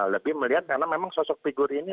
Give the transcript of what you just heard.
lebih melihat karena memang sosok figur ini